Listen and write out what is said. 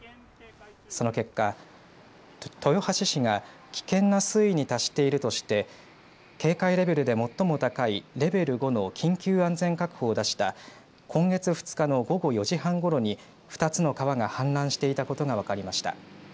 その結果、豊橋市が危険な水位に達しているとして警戒レベルで最も高いレベル５の緊急安全確保を出した今月２日の午後４時半ごろに２つの川が氾濫していたことが分かりました。